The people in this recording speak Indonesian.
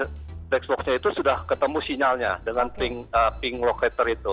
karena black spock nya itu sudah ketemu sinyalnya dengan ping locator itu